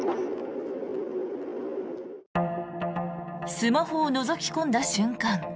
スマホをのぞき込んだ瞬間